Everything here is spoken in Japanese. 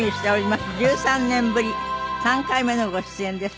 １３年ぶり３回目のご出演です。